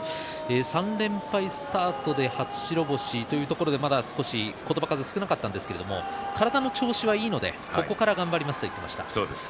３連敗スタートで初白星というところでまだ言葉数は少なかったんですが体の調子はいいのでここから頑張りますと言っていました。